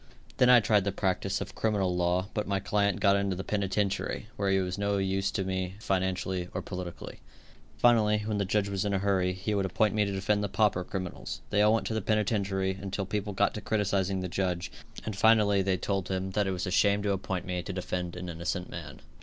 Then I tried the practice of criminal law, but my client got into the penitentiary, where he was no use to me financially or politically. Finally, when the judge was in a hurry, he would appoint me to defend the pauper criminals. They all went to the penitentiary, until people got to criticising the judge, and finally they told him that it was a shame to appoint me to defend an innocent man.